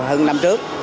hơn năm trước